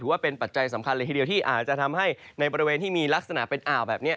ปัจจัยสำคัญเลยทีเดียวที่อาจจะทำให้ในบริเวณที่มีลักษณะเป็นอ่าวแบบนี้